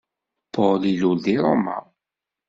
Paul ilul di Roma.